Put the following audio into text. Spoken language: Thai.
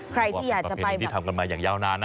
ใครที่อยากจะเป็นเพลงที่ทำกันมาอย่างยาวนานนะ